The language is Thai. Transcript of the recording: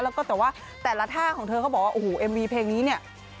แล้วก็แต่ว่าแต่ละท่าของเธอเขาบอกว่าโอ้โหเอ็มวีเพลงนี้เนี่ย